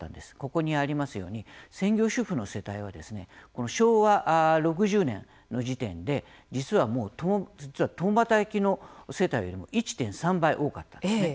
ここにありますように専業主婦の世帯は昭和６０年の時点で実は、もう共働きの世帯よりも１．３倍多かったんですね。